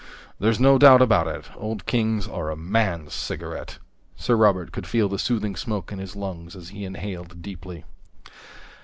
"There's no doubt about it, Old Kings are a man's cigarette." Sir Robert could feel the soothing smoke in his lungs as he inhaled deeply.